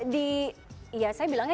di ya saya bilangnya